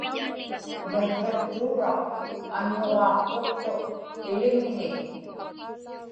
miqłiqtuuraq annuġaaqtuqtuq ilimiñik